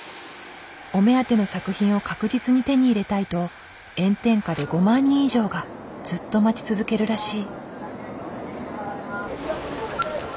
お目当ての作品を確実に手に入れたいと炎天下で５万人以上がずっと待ち続けるらしい。